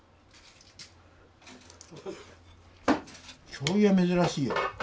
醤油は珍しいよ。